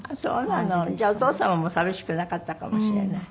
じゃあお父様も寂しくなかったかもしれない。